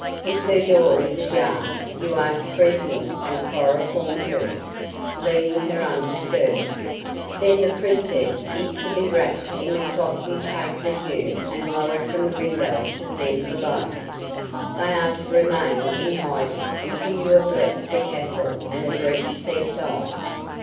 If her door is ajar, you are to creep in and chloroform her, leaving her undisturbed. Then the Princess is to be wrapped in the cloth you take with you and lowered from the window to the men below. They are to remain in hiding until you have left the castle and have reached their side.